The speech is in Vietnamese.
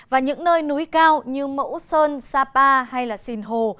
và những nơi núi cao như mẫu sơn sapa hay là sìn hồ